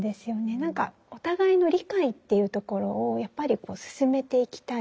何かお互いの理解っていうところをやっぱり進めていきたい。